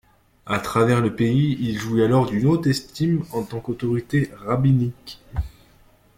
À travers le pays, il jouit alors d'une haute estime en tant qu'autorité rabbinique.